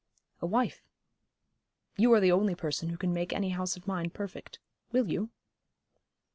'A wife. You are the only person who can make any house of mine perfect. Will you?'